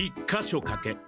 ３か所かけ！